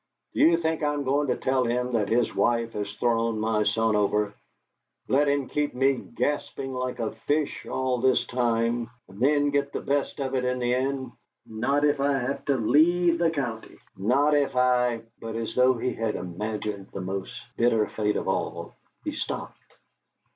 D'you think I'm going to tell him that his wife has thrown my son over let him keep me gasping like a fish all this time, and then get the best of it in the end? Not if I have to leave the county not if I " But, as though he had imagined the most bitter fate of all, he stopped.